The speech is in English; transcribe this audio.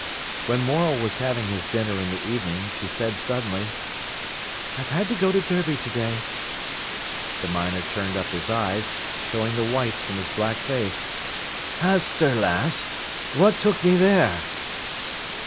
When Morel was having his dinner in the evening, she said suddenly: "I've had to go to Derby to day." The miner turned up his eyes, showing the whites in his black face. "Has ter, lass. What took thee there?"